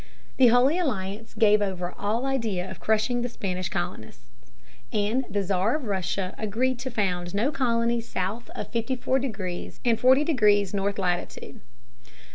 The Holy Alliance gave over all idea of crushing the Spanish colonists. And the Czar of Russia agreed to found no colonies south of fifty four degrees and forty minutes north latitude.